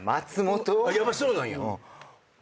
やっぱそうなんや。